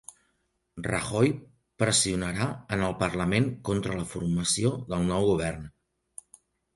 Rajoy pressionarà en el parlament contra la formació del nou govern